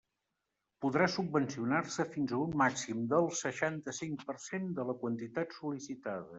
Podrà subvencionar-se fins a un màxim del seixanta-cinc per cent de la quantitat sol·licitada.